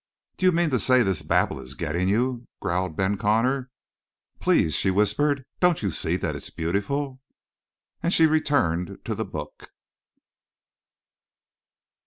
"Do you mean to say this babble is getting you?" growled Ben Connor. "Please!" she whispered. "Don't you see that it's beautiful?" And she returned to the book.